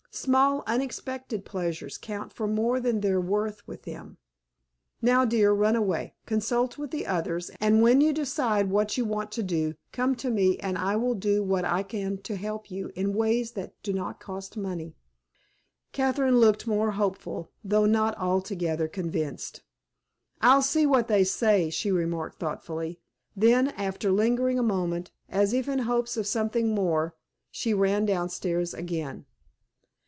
Small unexpected pleasures count for more than their worth with them. Now, dear, run away. Consult with the others, and when you decide what you want to do, come to me, and I will do what I can to help you in ways that do not cost money." Catherine looked more hopeful, though not altogether convinced. "I'll see what they say," she remarked thoughtfully. Then, after lingering a moment, as if in hopes of something more, she ran downstairs again.